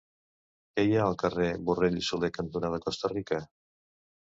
Què hi ha al carrer Borrell i Soler cantonada Costa Rica?